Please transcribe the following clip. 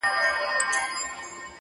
څوک چي مړ سي هغه ځي د خدای دربار ته-